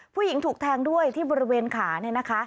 ผู้หญิงถูกแทงด้วยที่บริเวณขาเนี่ยนะคะ